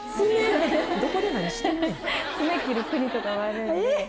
爪切る国とかもあるんでえっ！？